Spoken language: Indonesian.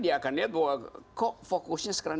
dia akan lihat bahwa kok fokusnya sekarang